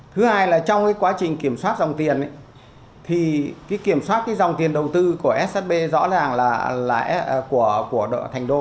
thứ hai là trong quá trình kiểm soát dòng tiền thì kiểm soát dòng tiền đầu tư của shb rõ ràng là của thành đô